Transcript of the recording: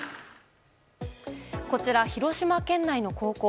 こちら、広島県内の高校。